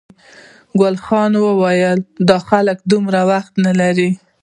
ګلداد خان وویل دا خلک دومره وخت نه لري.